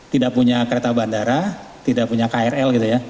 tidak punya kereta bandara tidak punya krl gitu ya